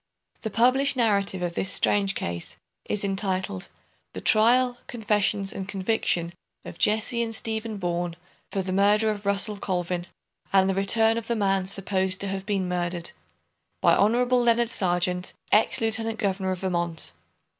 The published narrative of this strange case is entitled "The Trial, Confessions, and Conviction of Jesse and Stephen Boorn for the Murder of Russell Colvin, and the Return of the Man supposed to have been murdered. By Hon. Leonard Sargeant, Ex Lieutenant Governor of Vermont.